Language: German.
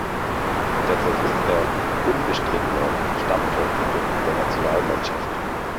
Derzeit ist er unbestrittener Stammtorhüter der Nationalmannschaft.